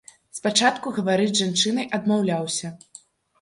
Спачатку гаварыць з жанчынай адмаўляўся.